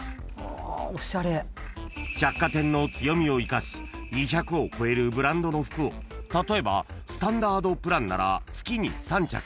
［百貨店の強みを生かし２００を超えるブランドの服を例えばＳＴＡＮＤＡＲＤプランなら月に３着］